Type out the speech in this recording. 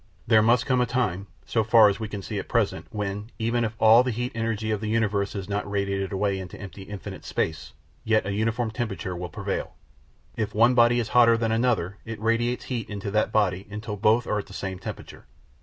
There must come a time, so far as we can see at present, when, even if all the heat energy of the universe is not radiated away into empty infinite space, yet a uniform temperature will prevail. If one body is hotter than another it radiates heat to that body until both are at the same temperature.